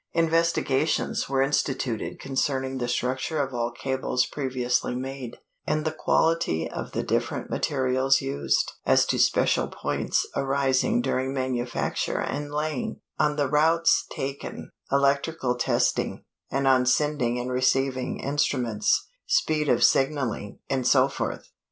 Investigations were instituted concerning the structure of all cables previously made, and the quality of the different materials used, as to special points arising during manufacture and laying, on the routes taken, electrical testing, and on sending and receiving instruments, speed of signaling, etc.